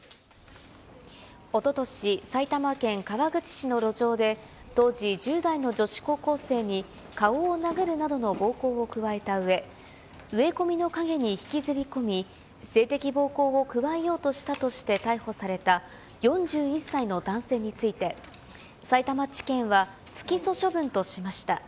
おととし、埼玉県川口市の路上で、当時１０代の女子高校生に顔を殴るなどの暴行を加えたうえ、植込みの陰に引きずり込み、性的暴行を加えようとしたとして逮捕された４１歳の男性について、さいたま地検は不起訴処分としました。